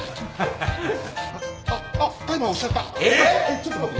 ちょっと待って。